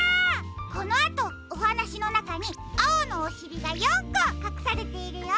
このあとおはなしのなかにあおのおしりが４こかくされているよ。